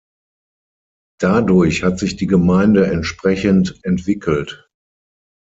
Dadurch hat sich die Gemeinde entsprechend entwickelt.